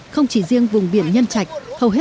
không chỉ riêng vùng biển nhân trạch